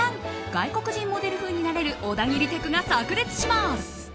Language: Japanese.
外国人モデル風になれる小田切テクが炸裂します！